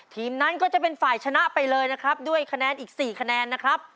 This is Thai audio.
นั้นก็จะเป็นฝ่ายชนะไปเลยนะครับด้วยคะแนนอีก๔คะแนนนะครับ